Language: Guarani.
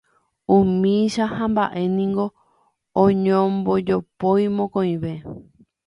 Umícha hamba'e niko oñombojopói mokõive.